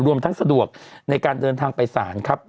รวมทั้งสะดวกในการเดินทางไปศาลครับ